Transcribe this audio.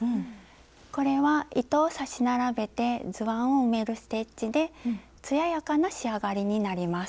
これは糸を刺し並べて図案を埋めるステッチでつややかな仕上がりになります。